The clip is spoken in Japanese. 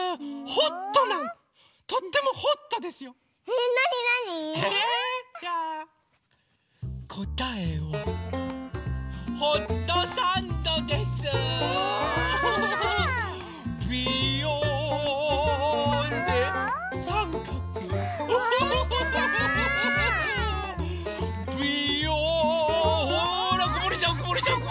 ほらこぼれちゃうこぼれちゃうこぼれちゃう！